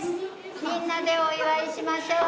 みんなでお祝いしましょう！